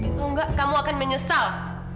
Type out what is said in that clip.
kalau nggak kamu akan menyesal